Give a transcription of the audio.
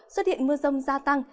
xuất hiện mưa rông gia tăng